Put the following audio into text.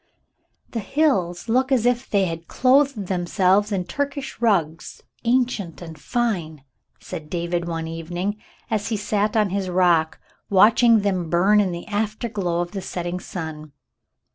"The hills look as if they had clothed themselves in Turkish rugs, ancient and fine," said David one evening, as he sat on his rock, watching them burn in the afterglow of the setting sun.